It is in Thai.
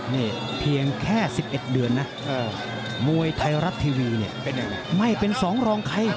นี่เพียงแค่๑๑เดือนนะมวยไทยรัฐทีวีเนี่ยไม่เป็นสองรองใคร